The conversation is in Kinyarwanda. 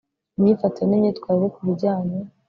imyifatire n'imyitwarire ku bijyanye